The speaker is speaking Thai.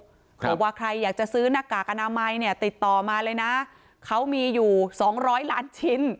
เพราะว่าใครอยากจะซื้อนักกากอนามัยเนี่ยติดต่อมาเลยนะเขามีอยู่๒๐๐ล้านชิ้น